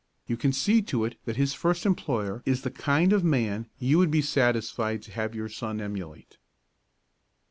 You can see to it that his first employer is the kind of man you would be satisfied to have your son emulate.